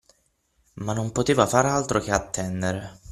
ma non poteva far altro che attendere.